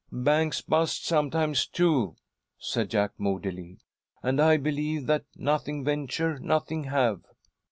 "Banks bust sometimes, too," said Jack, moodily, "and I believe that 'nothing venture, nothing have.'"